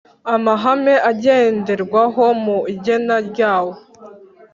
amahame agenderwaho mu igena ryawo